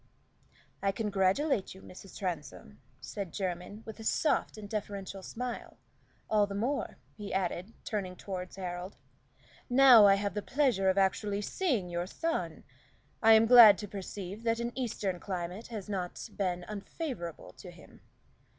"I congratulate you, Mrs. Transome," said Jermyn, with a soft and deferential smile, "all the more," he added, turning toward Harold, "now I have the pleasure of actually seeing your son. I am glad to perceive that an Eastern climate has not been unfavorable to him."